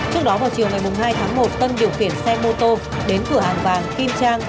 trước đó vào chiều ngày hai tháng một tân điều khiển xe mô tô đến cửa hàng vàng kim trang